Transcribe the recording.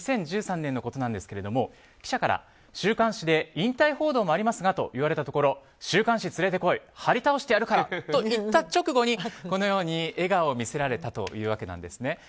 ２０１３年のことなんですが記者から、週刊誌で引退報道もありますがと言われたところ週刊誌連れてこい張り倒してやるからと言った直後にこのように笑顔を見せられたというわけなんですね。